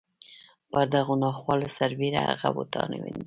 پر دغو ناخوالو سربېره هغه وتوانېده.